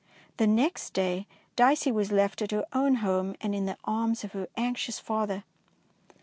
The next day Dicey was left at her own home and in the arms of her anxious father.